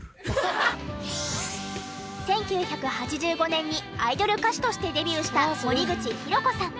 １９８５年にアイドル歌手としてデビューした森口博子さん。